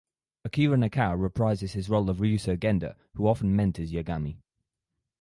Akira Nakao reprises his role of Ryuzo Genda who often mentors Yagami.